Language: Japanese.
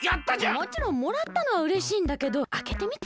もちろんもらったのはうれしいんだけどあけてみて？